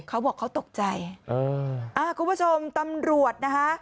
เขาบอกเขาตกใจเอออ่าคุณผู้ชมตำรวจนะคะ